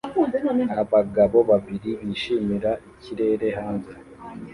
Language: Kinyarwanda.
Abagabo babiri bishimira ikirere hanze